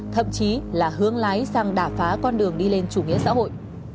thậm chí là hướng lái sang đà phá con đường đi lên chủ nghĩa xã hội